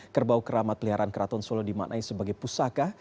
kerbau keramat peliharaan keraton solo dimaknai sebagai pusaka